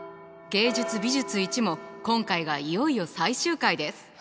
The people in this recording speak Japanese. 「芸術美術Ⅰ」も今回がいよいよ最終回です。